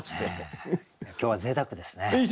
今日はぜいたくですね。